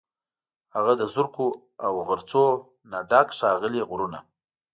هغه د زرکو، او غرڅو، نه ډک، ښاغلي غرونه